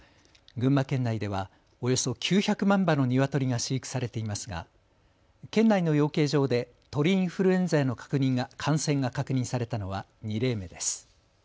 群馬県内ではおよそ９００万羽のニワトリが飼育されていますが県内の養鶏場で鳥インフルエンザへの感染が確認されたのは２例目です。